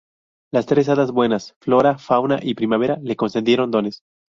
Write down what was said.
Las tres hadas buenas, Flora, Fauna y Primavera, le concedieron dones.